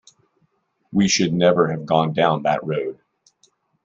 We should never have gone down that road.